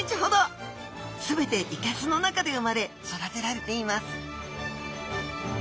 全ていけすの中で生まれ育てられています